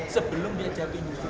sebelum dia jadi musuh